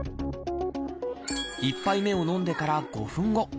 １杯目を飲んでから５分後。